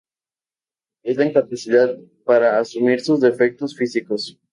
Es la incapacidad para asumir sus defectos físicos.